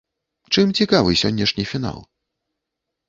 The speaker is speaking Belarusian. Чым цікавы сённяшні фінал?